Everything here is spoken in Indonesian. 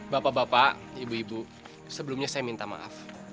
bapak bapak ibu ibu sebelumnya saya minta maaf